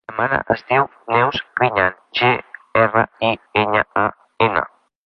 La meva mare es diu Neus Griñan: ge, erra, i, enya, a, ena.